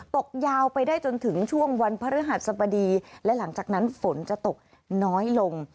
ตกยาวไปได้จนถึงช่วงวันพระฤหัสสบดีและหลังจากนั้นฝนจะตกน้อยลง